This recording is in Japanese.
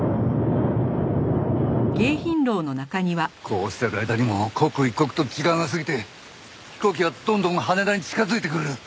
こうしてる間にも刻一刻と時間が過ぎて飛行機はどんどん羽田に近づいてくる。